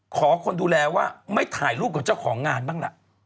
ขอคนดูแลว่าไม่ถ่ายรูปกับเจ้าของงานบ้างล่ะ